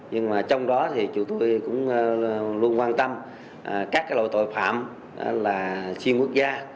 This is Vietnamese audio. nhưng mà trong đó thì chúng tôi cũng luôn quan tâm các loại tội phạm là xuyên quốc gia